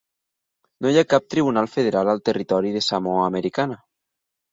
No hi ha cap tribunal federal al territori de Samoa americana.